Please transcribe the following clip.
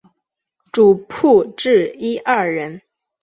主薄一至二人。